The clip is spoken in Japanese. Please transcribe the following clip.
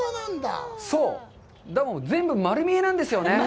全部丸見えなんですよね。